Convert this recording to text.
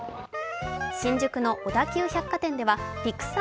新宿の小田急百貨店ではＰＩＸＡＲ！